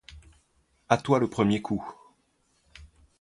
A toi le premier coup!